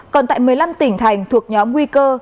còn tại một mươi năm tỉnh thành thuộc nhóm nguy cơ